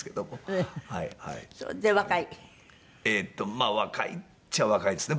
まあ若いっちゃ若いですね。